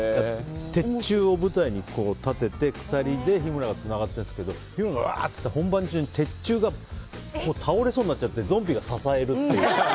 鉄柱を舞台に立てて鎖で日村がつながってるんですけど日村がうわー！ってやって本番中に鉄柱が倒れそうになっちゃってゾンビが支えるという。